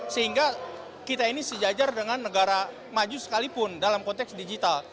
sehingga kita ini sejajar dengan negara maju sekalipun dalam konteks digital